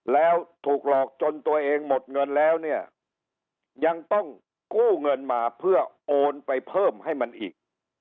แล้วถูกหลอกจนตัวเองหมดเงินแล้วเนี่ยยังต้องกู้เงินมาเพื่อโอนไปเพิ่มให้มันอีก